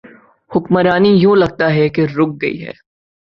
حکمرانی یوں لگتا ہے کہ رک گئی ہے۔